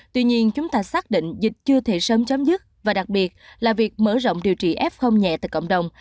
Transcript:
tuy nhiên chúng ta xác định dịch chưa thể sớm chấm dứt và đặc biệt là việc mở rộng điều trị f nhẹ tại cộng đồng